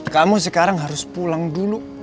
kamu sekarang harus pulang dulu